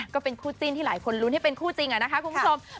ก็เป็นคู่จิ้นที่หลายคนลุ้นให้เป็นคู่จริงนะคะคุณผู้ชม